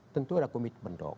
tentu ada komitmen dong